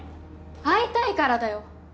会いたいからだよ。